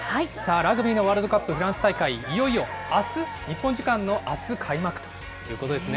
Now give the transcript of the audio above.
ラグビーのワールドカップフランス大会、いよいよあす、日本時間のあす開幕ということですね。